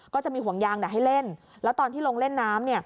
ก็จะมีห่วงยางให้เล่นแล้วตอนที่ลงเล่นน้ำ